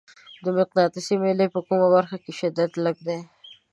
د مقناطیسي میلې په کومه برخه کې شدت لږ دی؟